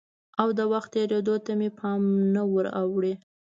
او د وخت تېرېدو ته مې پام نه وراوړي؟